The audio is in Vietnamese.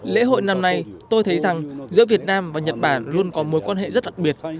lễ hội năm nay tôi thấy rằng giữa việt nam và nhật bản luôn có mối quan hệ rất đặc biệt